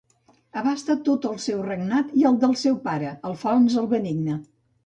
Abasta tot el seu regnat i el del seu pare, Alfons el Benigne.